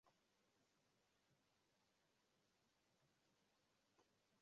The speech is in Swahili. linakubali na kutangaza Injili habari njema ya Yesu Kristo Kanisa